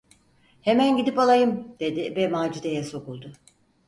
"Hemen gidip alayım!" dedi ve Macide’ye sokuldu.